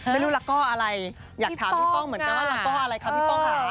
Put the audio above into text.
ละก้ออะไรอยากถามพี่ป้องเหมือนกันว่าละก้ออะไรคะพี่ป้องค่ะ